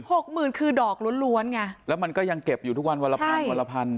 หกหมื่นคือดอกล้วนล้วนไงแล้วมันก็ยังเก็บอยู่ทุกวันวันละพันวันละพัน